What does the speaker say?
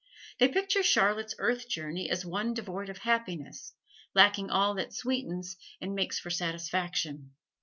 They picture Charlotte's earth journey as one devoid of happiness, lacking all that sweetens and makes for satisfaction.